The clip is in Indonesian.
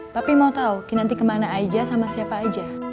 tapi mau tau nanti kemana aja sama siapa aja